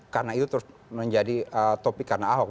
karena itu terus menjadi topik karena ahok